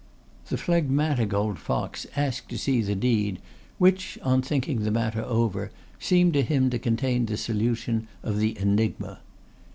The phlegmatic old fox asked to see the deed which, on thinking the matter over, seemed to him to contain the solution of the enigma.